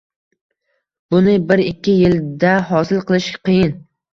Buni bir-ikki yilda hosil qilish qiyin.